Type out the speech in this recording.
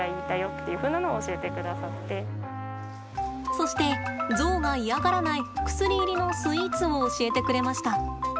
そして、ゾウが嫌がらない薬入りのスイーツを教えてくれました。